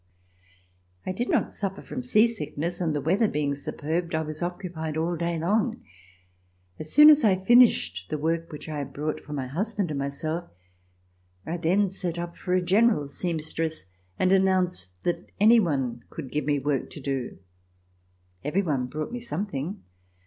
I did not suffer from sea sickness, and, the weather DEPARTURE FOR EUROPE being superb, 1 was occupied all day long. As I soon finished the work which 1 had brought for my husband and myself, I then set up for a general seamstress and announced that any one could give me work to do. Every one brought me something.